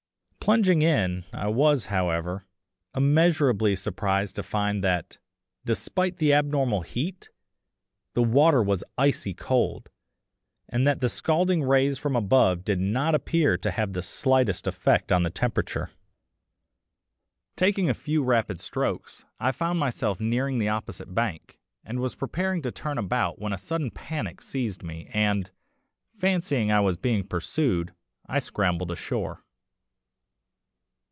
Plunging in, I was, however, immeasurably surprised to find that, despite the abnormal heat, the water was icy cold, and that the scalding rays from above did not appear to have the slightest effect on the temperature. Taking a few rapid strokes, I found myself nearing the opposite bank, and was preparing to turn about when a sudden panic seized me, and, fancying I was being pursued, I scrambled ashore.